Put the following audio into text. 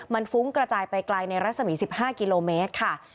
มันฟุ้งกระจายไปไกลในรัศมี๑๕กิโลเมตรค่ะ